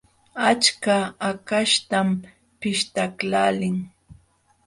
Achka hakaśhtam pishtaqlaalin.